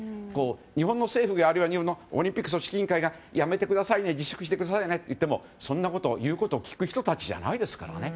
日本の政府やあるいは日本のオリンピック組織委員会がやめてくださいね自粛してくださいねと言ってもそんなこと、言うこと聞く人たちじゃないですから。